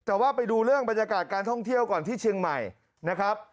แต่ว่าไปดูเรื่องบรรยากาศการท่องเที่ยวก่อนที่เชียงใหม่นะครับ